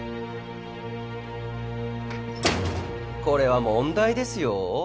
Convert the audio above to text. これは問題ですよ